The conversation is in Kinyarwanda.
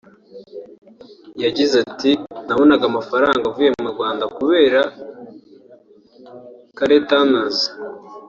yagize ati “Nabonaga amafaranga avuye mu Rwanda kubera Caller Tunes